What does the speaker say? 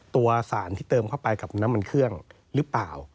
สารที่เติมเข้าไปกับน้ำมันเครื่องหรือเปล่า